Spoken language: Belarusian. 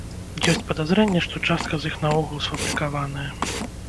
Ёсць падазрэнне, што частка з іх наогул сфабрыкаваная.